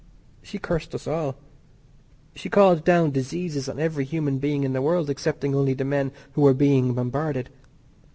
She cursed us all. She called down diseases on every human being in the world excepting only the men who were being bombarded.